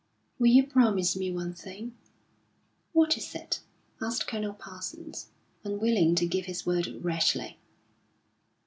"Will you promise me one thing?" "What is it?" asked Colonel Parsons, unwilling to give his word rashly.